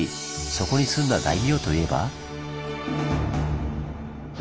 そこに住んだ大名といえば？